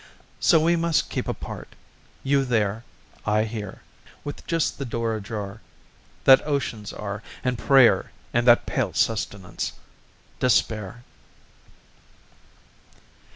So we must keep apart, You there, I here, With just the door ajar That oceans are, And prayer, And that pale sustenance, Despair!